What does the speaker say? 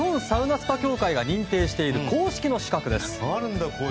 サウナスパ協会が認定している公式の資格です。